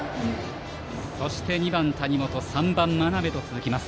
そして２番、谷本３番、真鍋と続きます。